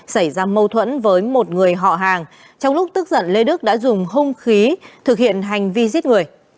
xảy ra mâu thuẫn với một người họ hàng trong lúc tức giận lê đức đã dùng hung khí thực hiện hành vi giết người